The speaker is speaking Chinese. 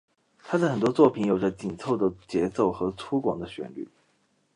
他的很多作品有着紧凑的节奏和粗犷的旋律。